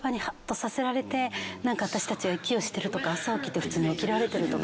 私たちが息をしてるとか朝起きて普通に起きられてるとか。